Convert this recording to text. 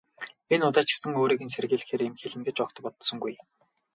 Энэ удаа ч гэсэн өөрийг нь сэрхийлгэхээр юм хэлнэ гэж огт бодсонгүй.